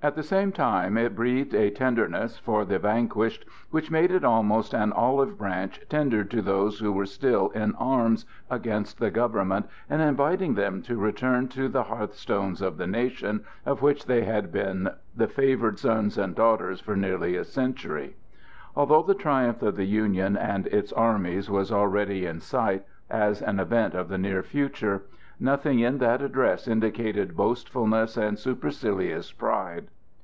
At the same time it breathed a tenderness for the vanquished which made it almost an olive branch tendered to those who were still in arms against the government and inviting them to return to the hearthstones of the nation of which they had been the favored sons and daughters for nearly a century. Although the triumph of the Union and its armies was already in sight as an event of the near future, nothing in that address indicated boastfulness and supercilious pride.